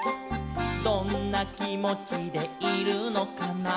「どんなきもちでいるのかな」